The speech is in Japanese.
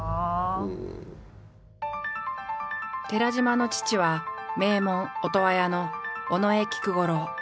寺島の父は名門音羽屋の尾上菊五郎。